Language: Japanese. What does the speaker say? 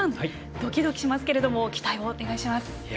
ドキドキしますけれども期待をお願いします。